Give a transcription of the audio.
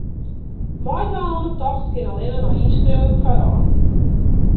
Meidwaan oan 'e tocht kin allinnich nei ynskriuwing foarôf.